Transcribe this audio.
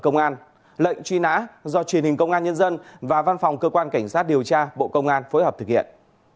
công an lệnh truy nã do truyền hình công an nhân dân và văn phòng cơ quan cảnh sát điều tra bộ công an phối hợp thực hiện